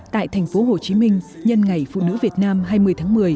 tại thành phố hồ chí minh nhân ngày phụ nữ việt nam hai mươi tháng một mươi